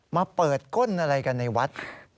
มาเปิดก้นอะไรกันในวัด